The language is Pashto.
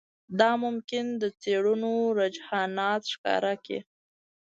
دا ممکن د څېړونکو رجحانات ښکاره کړي